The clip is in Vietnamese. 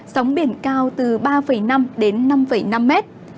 sóng biển cao từ ba năm năm năm mét